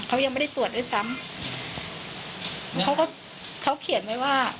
เขายังไม่ได้ตรวจด้วยซ้ำเขาก็เขาเขียนไว้ว่า